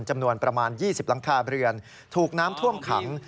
จำนวนประมาณ๒๐หลังคาเรือนถูกน้ำท่วมขัง